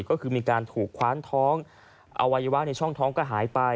ก็คือมีการถูกคว้านท้องอวัยวะในช่องท้องก็หายไป